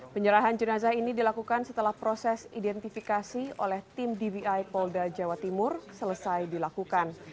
penyerahan jenazah ini dilakukan setelah proses identifikasi oleh tim dvi polda jawa timur selesai dilakukan